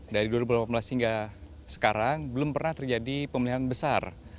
dari dua ribu delapan belas hingga sekarang belum pernah terjadi pemulihan besar